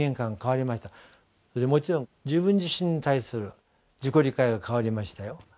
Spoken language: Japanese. もちろん自分自身に対する自己理解が変わりましたよ。